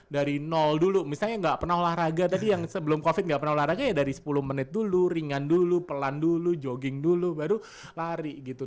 dari nol dulu misalnya nggak pernah olahraga tadi yang sebelum covid nggak pernah olahraga ya dari sepuluh menit dulu ringan dulu pelan dulu jogging dulu baru lari gitu